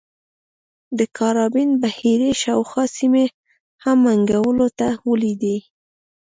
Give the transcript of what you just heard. د کارابین بحیرې شاوخوا سیمې هم منګولو ته ولوېدې.